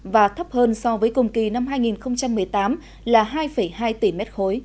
và thấp hơn so với cùng kỳ năm hai nghìn một mươi tám là hai hai tỷ m ba